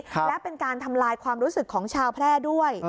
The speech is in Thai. และเป็นการทำลายความรู้สึกของชาวแพร่ด้วย